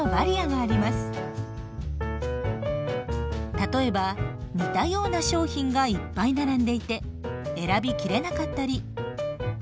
例えば似たような商品がいっぱい並んでいて選びきれなかったり。